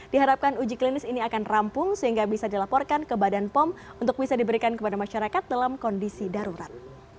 diharapkan uji klinis ini akan rampung sehingga bisa dilaporkan ke badan pom untuk bisa diberikan kepada masyarakat dalam kondisi darurat